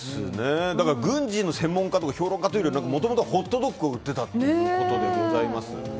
軍事の専門家とかじゃなくてもともとホットドッグを売っていたということでございます。